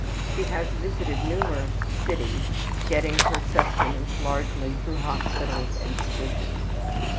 '' She has visited numerous cities, getting her sustenance largely through hospitals and physicians.